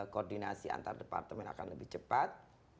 koordinasi antar departemen akan lebih cepat